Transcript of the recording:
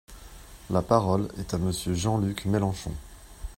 La parole est à Monsieur Jean-Luc Mélenchon.